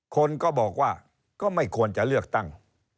คนก็บอกว่าก็ไม่ควรจะเลือกตั้ง